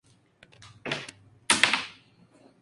Nunca ha vuelto a pisar suelo estadounidense.